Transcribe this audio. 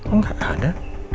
oh gak ada